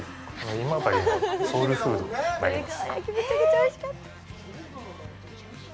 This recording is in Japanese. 今治のソウルフードになります。